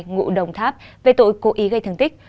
ngụ đồng tháp về tội cố ý gây thương tích